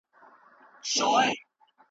پوښتنه کول د پوهې برخه ده.